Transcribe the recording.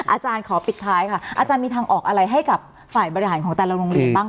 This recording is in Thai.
อาจารย์ขอปิดท้ายค่ะอาจารย์มีทางออกอะไรให้กับฝ่ายบริหารของแต่ละโรงเรียนบ้าง